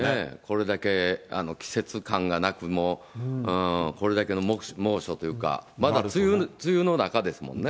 これだけ季節感がなく、これだけの猛暑というか、まだ梅雨の中ですもんね。